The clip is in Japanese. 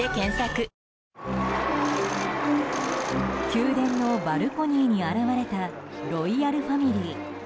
宮殿のバルコニーに現れたロイヤルファミリー。